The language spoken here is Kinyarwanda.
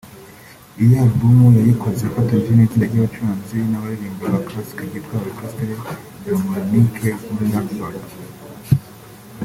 Iyo album yayikoze afatanyije n’itsinda ry’abacuranzi n’abaririmbyi ba “Classic” ryitwa “Orchestre Philharmonique du Luxembourg”